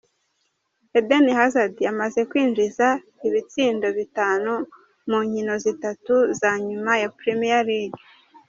Eden Hazard amaze kwinjiza ibitsindo bitanu mu nkino zitatu za nyuma za Premier League.